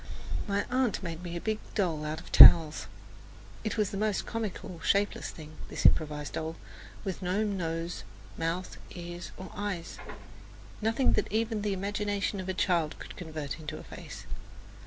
My aunt made me a big doll out of towels. It was the most comical shapeless thing, this improvised doll, with no nose, mouth, ears or eyes nothing that even the imagination of a child could convert into a face.